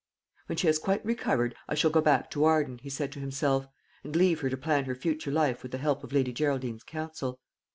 "When she has quite recovered, I shall go back to Arden," he said to himself; "and leave her to plan her future life with the help of Lady Geraldine's counsel.